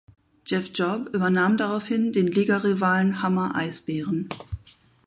Jeff Job übernahm daraufhin den Ligarivalen Hammer Eisbären.